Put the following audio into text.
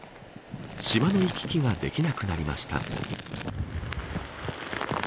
島の行き来ができなくなりました。